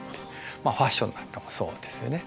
ファッションなんかもそうですよね。